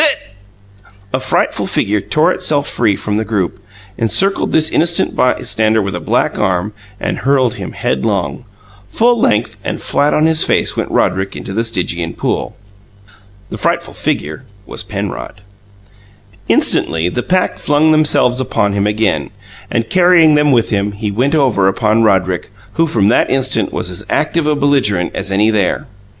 Lit " A frightful figure tore itself free from the group, encircled this innocent bystander with a black arm, and hurled him headlong. Full length and flat on his face went Roderick into the Stygian pool. The frightful figure was Penrod. Instantly, the pack flung themselves upon him again, and, carrying them with him, he went over upon Roderick, who from that instant was as active a belligerent as any there.